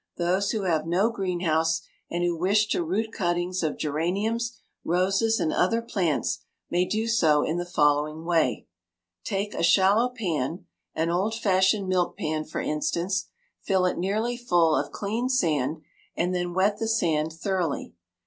Those who have no greenhouse and who wish to root cuttings of geraniums, roses, and other plants may do so in the following way. Take a shallow pan, an old fashioned milk pan for instance, fill it nearly full of clean sand, and then wet the sand thoroughly.